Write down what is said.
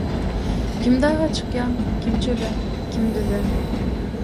Kim daga çykýar, kim çöle, kim düze.